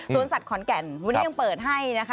สัตว์ขอนแก่นวันนี้ยังเปิดให้นะคะ